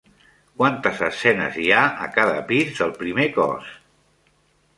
Quantes escenes hi ha a cada pis del primer cos?